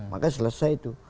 maka selesai itu